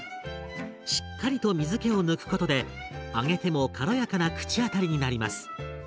しっかりと水けを抜くことで揚げても軽やかな口当たりになります。